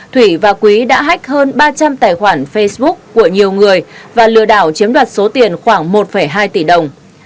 thủy và quý đã hách hơn ba trăm linh tài khoản facebook của nhiều người và lừa đảo chiếm đoạt số tiền khoảng một hai tỷ đồng